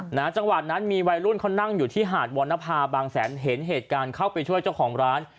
จังหวะนั้นมีวัยรุ่นเขานั่งอยู่ที่หาดวรรณภาบางแสนเห็นเหตุการณ์เข้าไปช่วยเจ้าของร้าน